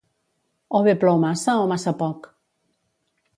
o be plou massa o massa poc.